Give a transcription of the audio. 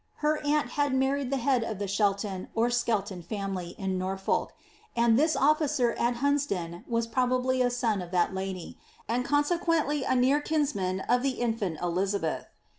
Her aunt had married the head of the Shelton or Skelton family in Norfolk, and this officer at Hunsdon was probably a son of that lady, and consequently a near kinsman of the in&nt EHizabeth.